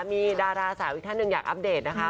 มีดาราสาวอีกท่านหนึ่งอยากอัปเดตนะคะ